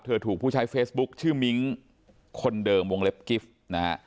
ถูกผู้ใช้เฟซบุ๊คชื่อมิ้งคนเดิมวงเล็บกิฟต์นะฮะ